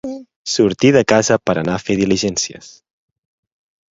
Sortir de casa per anar a fer diligències.